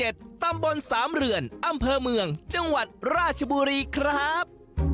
ตำบลสามเรือนอำเภอเมืองจังหวัดราชบุรีครับ